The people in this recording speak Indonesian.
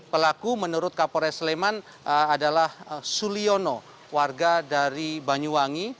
pelaku menurut kapolres sleman adalah suliono warga dari banyuwangi